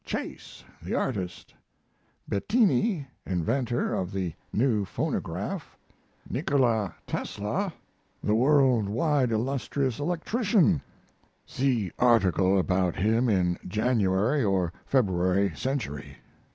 Chase, the artist; Bettini, inventor of the new phonograph; Nikola Tesla, the world wide illustrious electrician; see article about him in Jan. or Feb. Century.